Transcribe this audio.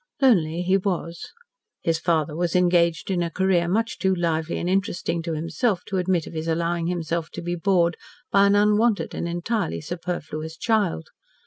Lonely he was. His father was engaged in a career much too lively and interesting to himself to admit of his allowing himself to be bored by an unwanted and entirely superfluous child.